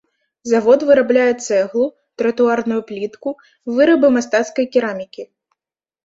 Завод вырабляе цэглу, тратуарную плітку, вырабы мастацкай керамікі.